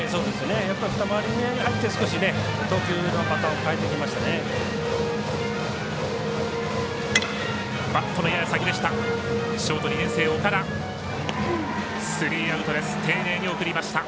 ２回り目に入って少し投球パターンを変えてきましたね。